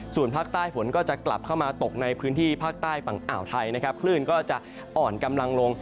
ส่วนภาคใต้ฝนก็จะกลับเข้ามาตกในพื้นที่ภาคใต้ฝั่งอ่าวไทยนะครับคลื่นก็จะอ่อนกำลังลง